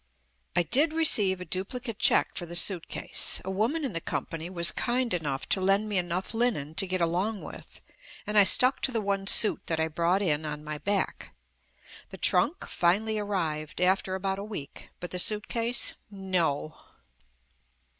I did receive a duplicate check for the suitcase. A woman in the company was kind enough to lend me enough linen to get along with, and I stuck to the one suit that I brought in on my back. The trunk finally arrived after about a week, but the suitcase — No